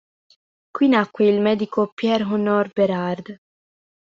Qui nacque il medico Pierre Honoré Bérard.